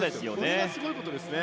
それがすごいことですよね。